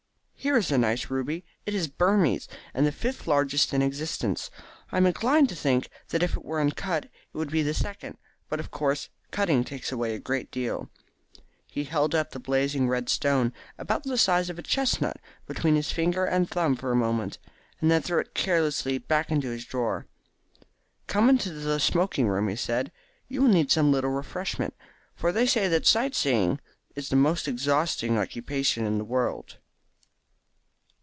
Here is a nice ruby. It is Burmese, and the fifth largest in existence. I am inclined to think that if it were uncut it would be the second, but of course cutting takes away a great deal." He held up the blazing red stone, about the size of a chestnut, between his finger and thumb for a moment, and then threw it carelessly back into its drawer. "Come into the smoking room," he said; "you will need some little refreshment, for they say that sight seeing is the most exhausting occupation in the world."